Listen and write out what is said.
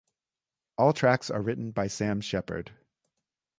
All tracks are written by Sam Shepherd.